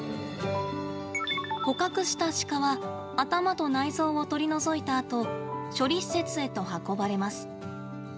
捕獲したシカは頭と内臓を取り除いたあと処理施設へと運ばれます。